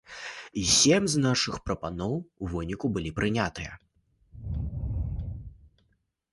І сем з нашых прапаноў у выніку былі прынятыя.